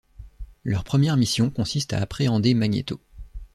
Leur première mission consiste à appréhender Magnéto.